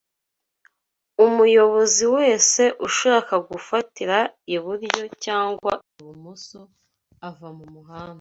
Umuyobozi wese ushaka gukatira iburyo cyangwa ibumoso ava mu muhanda